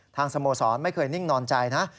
สโมสรไม่เคยนิ่งนอนใจนะ